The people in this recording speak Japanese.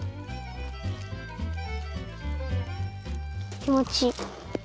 きもちいい。